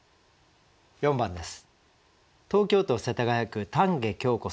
４番です。